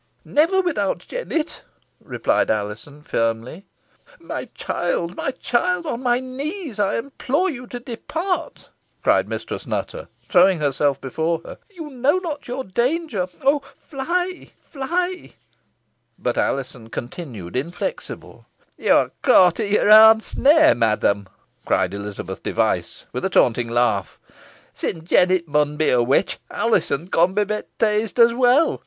"Never, without Jennet," replied Alizon, firmly. "My child my child on my knees I implore you to depart," cried Mistress Nutter, throwing herself before her "You know not your danger oh, fly fly!" But Alizon continued inflexible. "Yo are caught i' your own snare, madam," cried Elizabeth Device, with a taunting laugh. "Sin Jennet mun be a witch, Alizon con be bapteesed os weel.